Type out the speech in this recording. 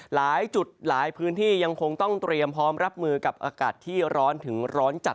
หลายจุดหลายพื้นที่ยังคงต้องเตรียมพร้อมรับมือกับอากาศที่ร้อนถึงร้อนจัด